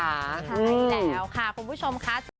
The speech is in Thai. ใช่แล้วค่ะคุณผู้ชมค่ะ